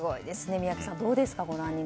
宮家さん、どうですか。